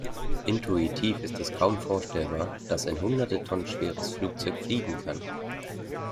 Intuitiv ist es kaum vorstellbar, dass ein hunderte Tonnen schweres Flugzeug fliegen kann.